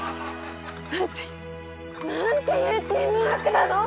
何ていうチームワークなの！